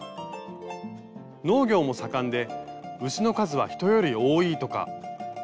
農業も盛んで牛の数は人より多いとか。